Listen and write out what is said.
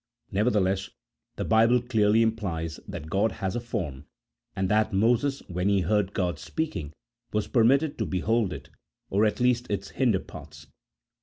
Nevertheless, the Bible clearly implies that God has a form, and that Moses when he heard God speaking was permitted to behold it, or at least its hinder parts.